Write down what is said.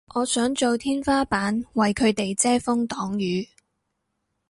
我想做天花板為佢哋遮風擋雨